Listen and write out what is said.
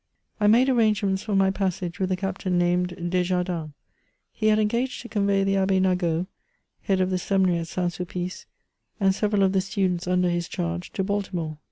I made arrangements for my passage with a captain named Desjardins ; he luul engaged to convey the Abbe Nagault, head of the seminary at St. Sulpice, and several of the students under his charge, to Baltimore.